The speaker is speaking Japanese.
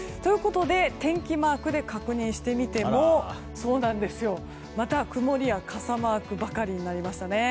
天気マークで確認してみてもまた、曇りや傘マークばかりになりました。